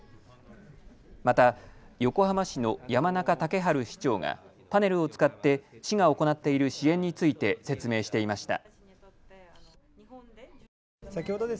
また横浜市の山中竹春市長がパネルを使って市が行っている支援について説明していました。